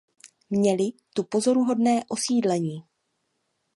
Měli tu pozoruhodné osídlení.